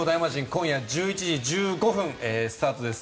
今夜１１時１５分スタートです。